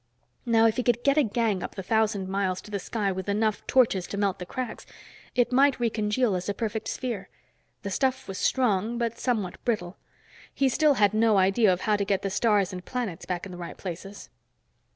Now, if he could get a gang up the thousand miles to the sky with enough torches to melt the cracks, it might recongeal as a perfect sphere. The stuff was strong, but somewhat brittle. He still had no idea of how to get the stars and planets back in the right places.